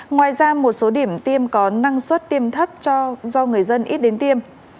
ngoài ra một số điểm tiêm có năng suất tiêm thấp do người dân ít đến tiêm